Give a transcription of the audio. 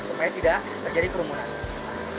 supaya tidak terjadi kerumunan